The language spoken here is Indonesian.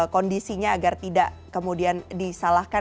kondisinya agar tidak kemudian disalahkan